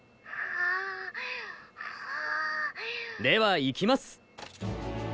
ではいきます！